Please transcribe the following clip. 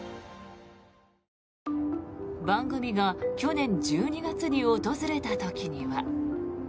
番組が去年１２月に訪れた時には。